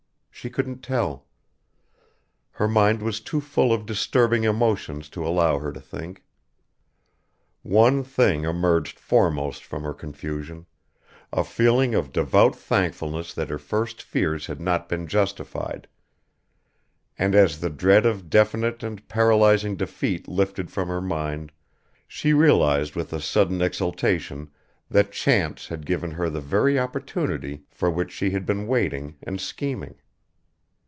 She couldn't tell. Her mind was too full of disturbing emotions to allow her to think. One thing emerged foremost from her confusion, a feeling of devout thankfulness that her first fears had not been justified, and as the dread of definite and paralysing defeat lifted from her mind, she realised with a sudden exultation that chance had given her the very opportunity for which she had been waiting and scheming.